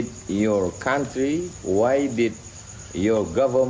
kenapa negara anda kenapa pemerintah anda